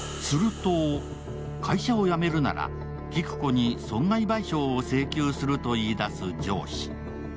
すると、会社を辞めるなら紀久子に損害賠償を請求すると言い出す上司。